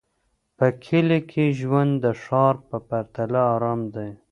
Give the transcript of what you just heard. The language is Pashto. په کلي کې ژوند د ښار په پرتله ارام دی.